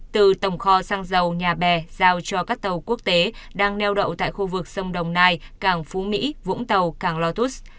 từ tổng kho xăng dầu nhà bè giao cho các tàu quốc tế đang neo đậu tại khu vực sông đồng nai càng phú mỹ vũng tàu càng lotus